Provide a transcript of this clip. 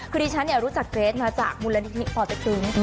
คือดิฉันรู้จักเกรดมาจากบุญเรียนที่นี่ออกจากกึ้ง